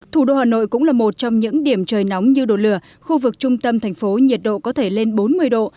thủ đô hà nội cũng là một trong những điểm trời nóng như đồ lửa khu vực trung tâm thành phố nhiệt độ có thể lên bốn mươi độ